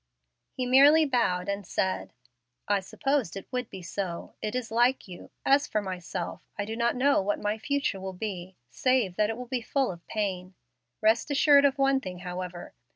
He merely bowed and said, "I supposed it would be so. It is like you. As for myself I do not know what my future will be, save that it will be full of pain. Rest assured of one thing, however.